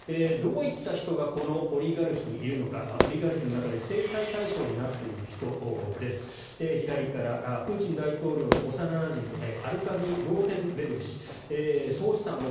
どういった人がこのオリガルヒにいるのかオリガルヒの中で制裁対象になっている人左からプーチン大統領の幼なじみアルカディ・ローテンベルク氏総資産